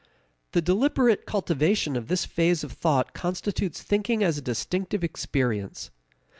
The deliberate cultivation of this phase of thought constitutes thinking as a distinctive experience.